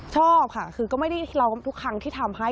ชอบค่ะคือก็ไม่ได้ร้องทุกครั้งที่ทำให้